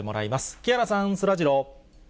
木原さん、そらジロー。